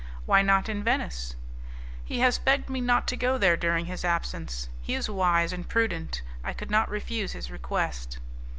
"Why not in Venice?" "He has begged me not to go there during his absence. He is wise and prudent; I could not refuse his request."